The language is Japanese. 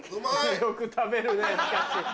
よく食べるねしかし。